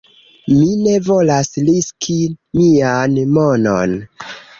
"Mi ne volas riski mian monon"